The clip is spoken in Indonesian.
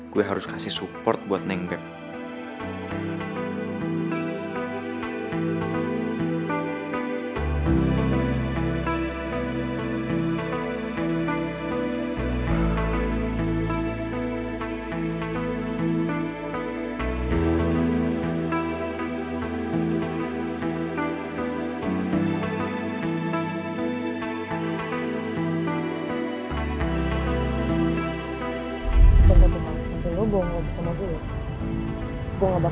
gue harus kasih support buat neng beb